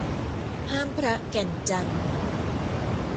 ห้ามพระแก่นจันทน์